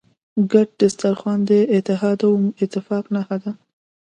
ګډ سترخوان د اتحاد او اتفاق نښه ده.